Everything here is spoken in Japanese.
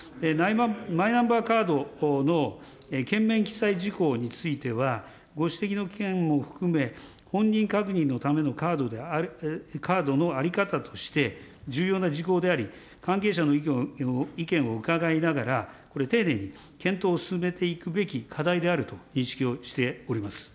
マイナンバーカードの券面記載事項については、ご指摘の件を含め、本人確認のためのカードの在り方として、重要な事項であり、関係者の意見を伺いながら、これ、丁寧に検討を進めていくべき課題であると認識をしております。